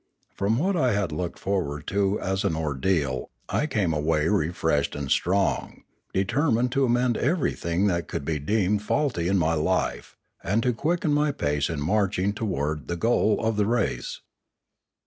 From what I had looked forward to as an ordeal I came away refreshed and strong, determined to amend everything that could be deemed faulty in my life, and to quicken my pace in marching towards the goal of the race.